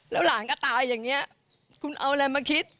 แล้วหลานก็ตายอย่างนี้คุณเอาอะไรมาคิด